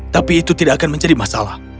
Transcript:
tapi itu tidak akan menjadi masalah